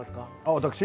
私？